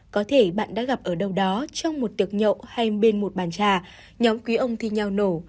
có thể bạn đã gặp ở đâu đó trong một tạng nhậu hay bên một bàn trà nhóm quý ông thi nhau nổ